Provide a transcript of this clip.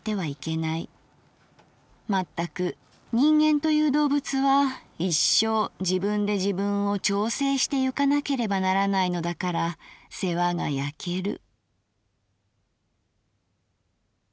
まったく人間という動物は一生自分で自分を調整してゆかなければならないのだから世話がやける」。